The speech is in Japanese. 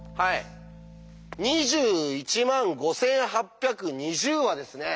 ２１万５８２０はですね